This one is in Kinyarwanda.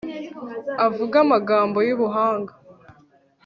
avuge amagambo y'ubuhanga